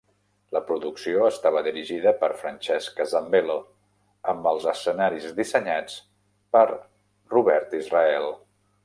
La producció estava dirigida per Francesca Zambello, amb els escenaris dissenyats per Robert Israel.